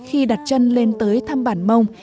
khi đặt chân lên tới thăm bản mông